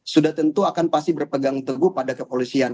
sudah tentu akan pasti berpegang teguh pada kepolisian